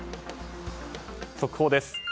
速報です。